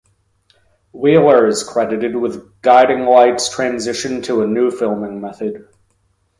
Wheeler is credited with Guiding Light's transition to a new filming method.